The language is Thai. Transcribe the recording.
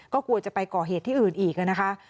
ก็กลัวจะไปก่อเหตุที่อื่นอีกนะคะ